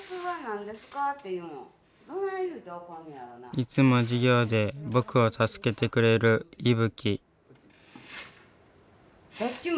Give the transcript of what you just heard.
いつも授業で僕を助けてくれるいぶき。